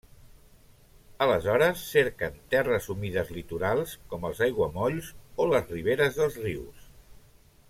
Aleshores, cerquen terres humides litorals, com els aiguamolls o les riberes dels rius.